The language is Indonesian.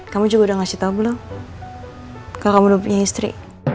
kamu juga udah ngasih tahu belum kamu udah punya istri